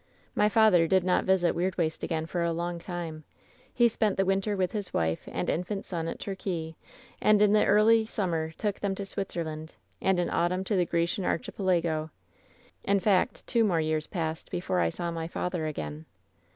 "My father did not visit Weirdwaste again for a long time. He spent the winter with his wife and infant son at Torquay, and in the early summer took them to Switzerland, and in autumn to the Grecian Archipelago. In fact, two more years passed before I saw my father again.